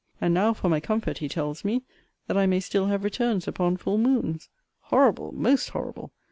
And now, for my comfort, he tells me, that I may still have returns upon full moons horrible! most horrible!